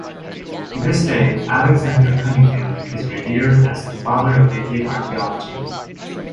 To this day, Alexander Cunningham is revered as the "Father of Indian Archaeology".